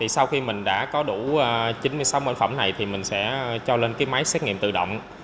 sau khi mình đã có đủ chín mươi sáu bệnh phẩm này thì mình sẽ cho lên máy xét nghiệm tự động